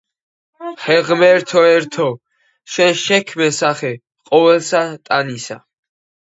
ჰე, ღმერთო ერთო, შენ შეჰქმენ სახე ყოვლისა ტანისა,